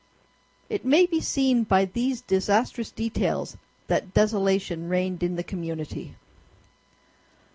It may be seen by these disastrous details that desolation reigned in the community.